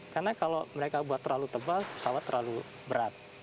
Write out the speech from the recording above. karena kalau mereka buat terlalu tebal pesawat terlalu berat